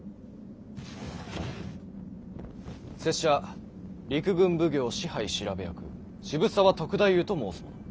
拙者陸軍奉行支配調役渋沢篤太夫と申すもの。